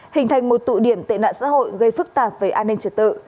hình thành một tụ điểm tệ nạn xã hội gây phức tạp về an ninh trật tự